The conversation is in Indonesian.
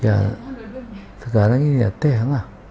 ya sekarang ini ya teh lah